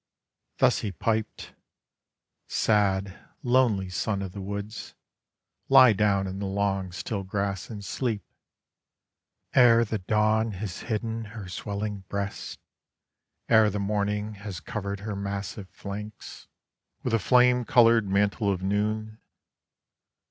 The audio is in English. Thus he piped: Sad, lonely son of the woods, Lie down in the long still grass and sleep, Ere the dawn has hidden her swelling breasts, Ere the morning has covered her massive flanks, With the flame coloured mantle of noon.